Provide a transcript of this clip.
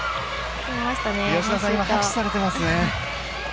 吉田さん、拍手されています。